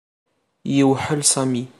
Yewḥel Sami.